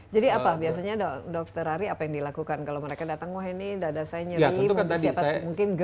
jadi apa biasanya dokter hari apa yang dilakukan kalau mereka datang wah ini dada saya nyeri mungkin siapa mungkin gerd gitu